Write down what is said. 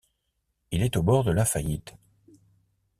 Il est au bord de la faillite.